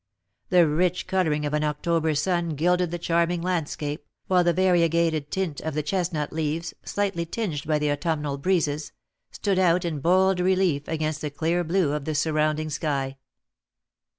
The rich colouring of an October sun gilded the charming landscape, while the variegated tint of the chestnut leaves, slightly tinged by the autumnal breezes, stood out in bold relief against the clear blue of the surrounding sky.